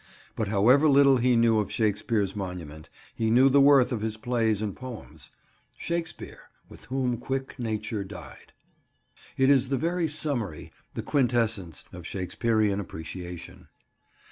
But however little he knew of Shakespeare's monument, he knew the worth of his plays and poems: "Shakespeare, with whom quick nature died." It is the very summary, the quintessence, of Shakespearean appreciation.